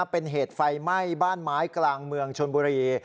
เป็นเหตุไฟไหม้บ้านไม้กลางเมืองชนบุรี